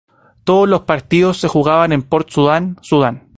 Todos los partidos se jugaron en Port Sudan, Sudán.